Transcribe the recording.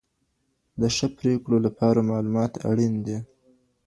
د ښه پریکړو لپاره معلومات اړین دي.